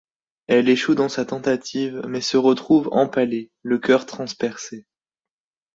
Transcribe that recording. Elle échoue dans sa tentative, mais se retrouve empalée, le cœur transpercé.